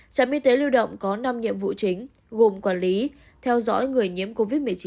trạm y tế lưu động có năm nhiệm vụ chính gồm quản lý theo dõi người nhiễm covid một mươi chín